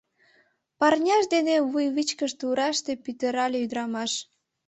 — Парняж дене вуйвичкыж тураште пӱтырале ӱдырамаш.